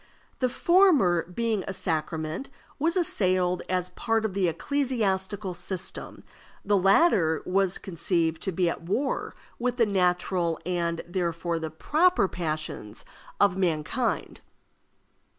The former, being a sacrament, was assailed as part of the ecclesiastical system; the latter was conceived to be at war with the natural, and, therefore, the proper passions of mankind.